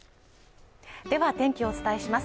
では天気をお伝えします